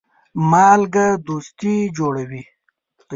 مالګه دوستي جوړوي.